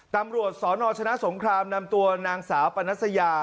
ตำรวจสนชนะสงครามนำตัวนางสาวปนัสยา